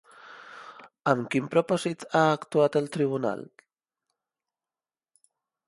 Amb quin propòsit ha actuat el tribunal?